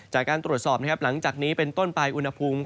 จากการตรวจสอบหลังจากนี้เป็นต้นปลายอุณหภูมิ